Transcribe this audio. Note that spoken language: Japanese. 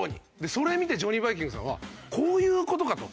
それ見てジョニー・バイキングさんは「こういう事か！」と。